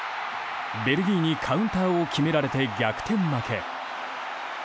ベルギーにカウンターを決められて逆転負け。